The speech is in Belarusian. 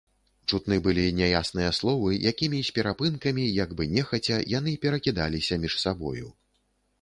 Чутны былі няясныя словы, якімі з перапынкамі, як бы нехаця, яны перакідаліся між сабою.